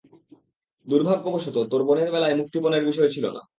দুর্ভাগ্যবশত, তোর বোনের বেলায় মুক্তিপণের বিষয় ছিল না।